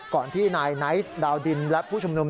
ก่อนที่นายไนท์ดาวดินและผู้ชุมนุม